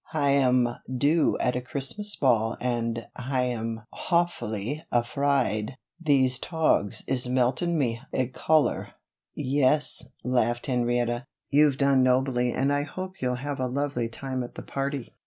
Hi'm due at a Christmas ball and Hi'm hawfully afride these togs is meltin' me 'igh collar." "Yes," laughed Henrietta, "you've done nobly and I hope you'll have a lovely time at the party."